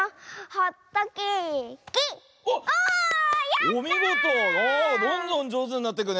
あどんどんじょうずになってくね。